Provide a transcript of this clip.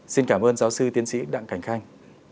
xin cảm ơn giáo sư tiến sĩ đặng cảnh khanh